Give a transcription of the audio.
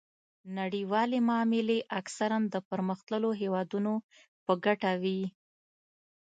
نړیوالې معاملې اکثراً د پرمختللو هیوادونو په ګټه وي